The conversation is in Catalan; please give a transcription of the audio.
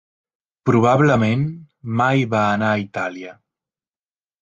Probablement mai va anar a Itàlia.